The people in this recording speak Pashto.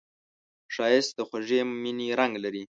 ښایست د خوږې مینې رنګ لري